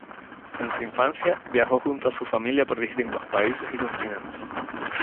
En su infancia viajó junto a su familia por distintos países y continentes.